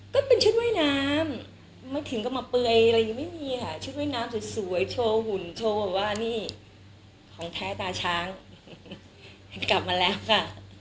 ก็เป็นชุดว่ายน้ำไม่ถึงก็มาเปลือยอะไรยังไม่มีค่ะชุดว่ายน้ำสวยโชว์หุ่นโชว์แบบว่านี่ของแท้ตาช้างเห็นกลับมาแล้วค่ะ